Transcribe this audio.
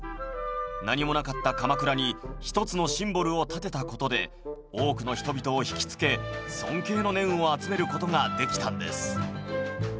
何もなかった鎌倉にひとつのシンボルを建てた事で多くの人々を引きつけ尊敬の念を集める事ができたんです。